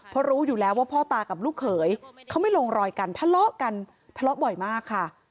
เพราะรู้อยู่แล้วว่าพ่อตากับลูกเขยเขาไม่ลงรอยกันทะเลาะกันทะเลาะบ่อยมากค่ะ